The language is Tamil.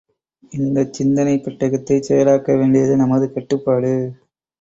இந்தச் சிந்தனைப் பெட்டகத்தைச் செயலாக்க வேண்டியது நமது கடப்பாடு.